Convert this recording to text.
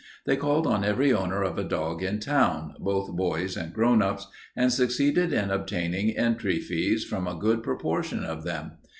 They called on every owner of a dog in town, both boys and grown ups, and succeeded in obtaining entry fees from a good proportion of them.